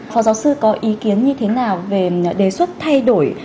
phó giáo sư có ý kiến như thế nào về đề xuất thay đổi